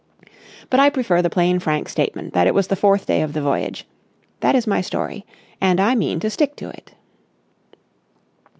But I prefer the plain frank statement that it was the fourth day of the voyage. That is my story and I mean to stick to it.